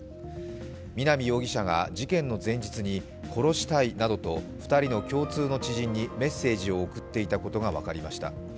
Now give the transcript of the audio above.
南容疑者が事件の前日に殺したいなどと、２人の共通の知人にメッセージを送っていたことが分かりました。